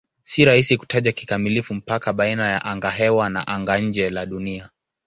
Si rahisi kutaja kikamilifu mpaka baina ya angahewa na anga-nje la Dunia.